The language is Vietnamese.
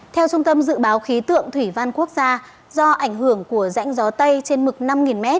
theo trung tâm dự báo khí tượng thủy văn quốc gia do ảnh hưởng của rãnh gió tây trên mực năm m